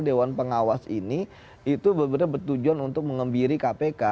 dewan pengawas ini itu benar benar bertujuan untuk mengembiri kpk